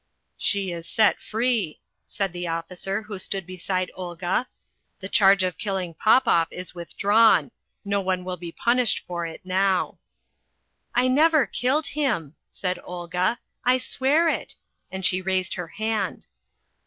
"She is set free," said the officer who stood beside Olga. "The charge of killing Popoff is withdrawn. No one will be punished for it now." "I never killed him," said Olga. "I swear it," and she raised her hand.